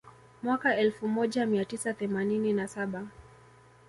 Mwaka elfu moja mia tisa themanini na saba